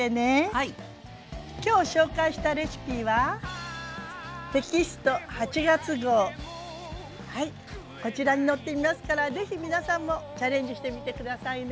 今日紹介したレシピはテキスト８月号はいこちらに載っていますから是非皆さんもチャレンジしてみて下さいね。